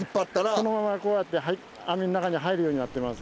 このままこうやって網の中に入るようになってます。